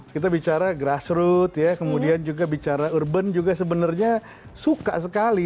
kita bicara grassroot ya kemudian juga bicara urban juga sebenarnya suka sekali